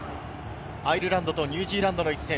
アイルランドとニュージーランドの一戦。